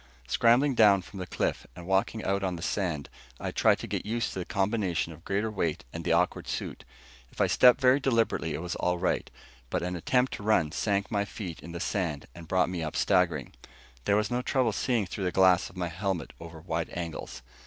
Scrambling down from the cliff and walking out on the sand, I tried to get used to the combination of greater weight and the awkward suit. If I stepped very deliberately it was all right, but an attempt to run sank my feet in the sand and brought me up staggering. There was no trouble seeing through the glass of my helmet over wide angles.